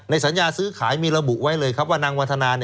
สัญญาซื้อขายมีระบุไว้เลยครับว่านางวันธนา